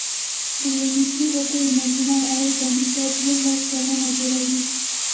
د یوه مصري وګړي منځنی عاید د امریکا دوولس سلنه جوړوي.